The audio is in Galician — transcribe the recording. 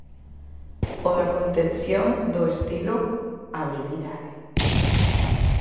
O da contención do estilo, a brevidade.